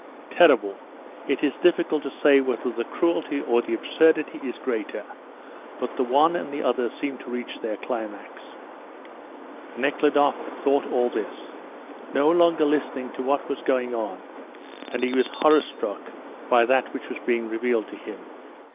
"Terrible! It is difficult to say whether the cruelty or the absurdity is greater, but the one and the other seem to reach their climax." Nekhludoff thought all this, no longer listening to what was going on, and he was horror struck by that which was being revealed to him.